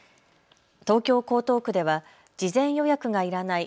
東京江東区では事前予約がいらない